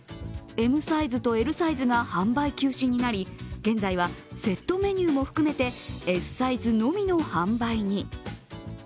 ＭサイズとＬサイズが販売休止になり現在はセットメニューも含めてＳサイズのみの販売に。